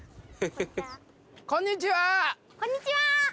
こんにちは！